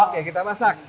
oke kita masak